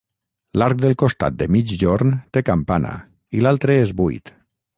L'arc del costat de migjorn té campana i l'altre és buit.